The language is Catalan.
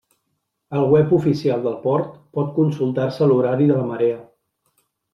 Al web oficial del port pot consultar-se l'horari de la marea.